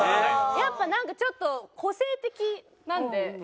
やっぱなんかちょっと個性的なんで。